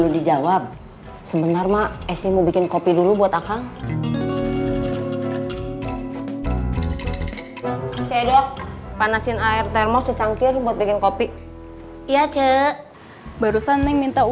daftar sekarang juga